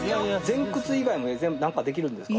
前屈以外もなんかできるんですか？